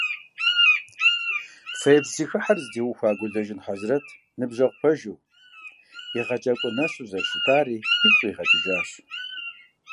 Фэеплъ зэхыхьэр зытеухуа Гулэжын Хьэзрэт ныбжьэгъу пэжу, егъэджакӏуэ нэсу зэрыщытари игу къигъэкӏыжащ.